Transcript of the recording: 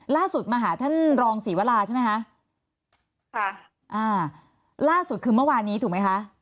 ล่าสุดมาหาท่านรองศรีวราใช่ไหมคะค่ะอ่าล่าสุดคือเมื่อวานนี้ถูกไหมคะ